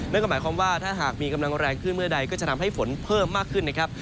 นั่นก็หมายความว่าถ้าหากมีกำลังแรงขึ้นเมื่อใดก็จะทำให้ฝนเพิ่มมากขึ้นนะครับ